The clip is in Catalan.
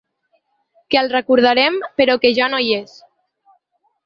Que el recordarem però que ja no hi és.